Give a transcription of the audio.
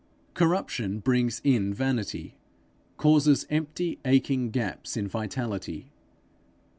Corruption brings in vanity, causes empty aching gaps in vitality.